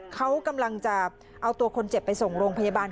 เขากำลังจะเอาตัวคนเจ็บไปส่งโรงพยาบาล